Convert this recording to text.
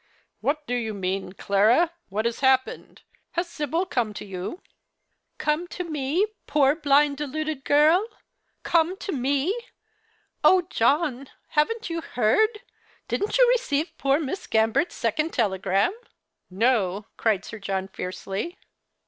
"What do you mean, Clara? What has happened? Has Sibyl come to you ?"" Come to me, poor blind, deluded girl ! Come to me ? Oh, John, haven't you heard ? Didn't you receive poor Miss Gambert's second telegram ?" "No!" cried Sir John, fiercely.